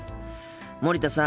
森田さん。